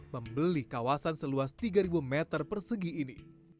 membeli kawasan seluas tiga meter persegi ini